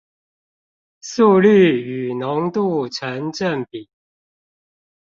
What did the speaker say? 速率與濃度成正比